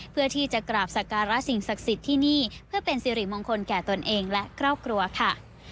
เพื่อที่จะกราบสักการะสิ่งศักดิ์สิทธิ์ที่นี่เพื่อเป็นสิริมงคลแก่ตนเองและครอบครัวค่ะ